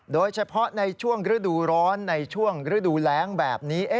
โดยเฉพาะในช่วงฤดูร้อนในช่วงฤดูแรงแบบนี้